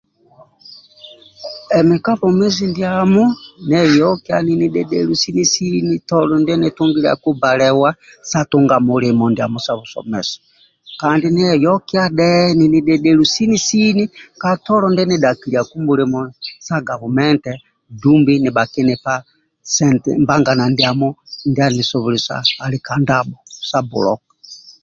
Emi kabwomezi ndiamo nieyokia nini dhedhelu sini sini tolo ndienitungiliaku balewa sa tunga mulimo ndiamo sa busomesa kandi nieyokia dhe ninidhedhelu sini sini ka tolo ndie nidhakiliaku mulimo sa gavumenti dumbi nibha kinipa mbangana ndiamo andia anisobolesa alika ndabho sa bbuloka